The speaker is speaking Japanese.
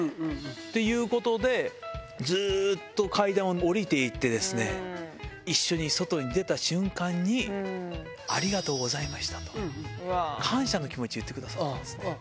っていうことで、ずーっと階段を下りていってですね、一緒に外に出た瞬間に、ありがとうございましたと、感謝の気持ちを言ってくださったんですね。